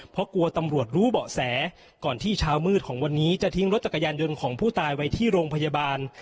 เพราะกลัวตำรวจรู้เบาะแสก่อนที่เช้ามืดของวันนี้จะทิ้งรถจักรยานยนต์ของผู้ตายไว้ที่โรงพยาบาล